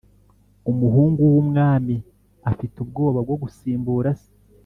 Umuhungu w’ umwami afite ubwoba bwo gusimbura se